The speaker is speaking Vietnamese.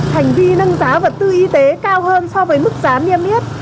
hành vi nâng giá vật tư y tế cao hơn so với mức giá niêm yết